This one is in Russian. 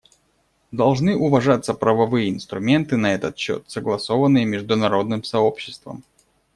Должны уважаться правовые инструменты на этот счет, согласованные международным сообществом.